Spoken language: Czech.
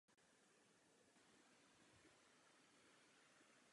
Díky imigraci však narůstá především počet muslimů.